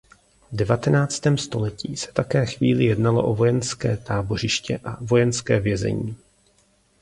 V devatenáctém století se také chvíli jednalo o vojenské tábořiště a vojenské vězení.